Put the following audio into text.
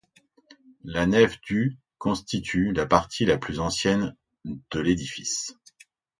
La nef du constitue la partie la plus ancienne de l'édifice.